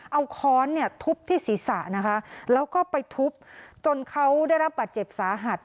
เอาค้อนเนี่ยทุบที่ศีรษะนะคะแล้วก็ไปทุบจนเขาได้รับบาดเจ็บสาหัส